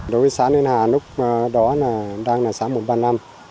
đối với xã liên hà lúc đó là đang là xã một trăm ba mươi năm